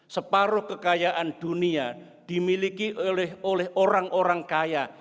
separuh kekayaan dunia dimiliki oleh orang orang kaya